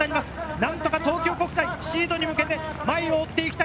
何とか東京国際、シードに向けて前を追っていきたい。